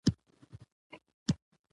ما په سلګونه کوترې ولیدلې.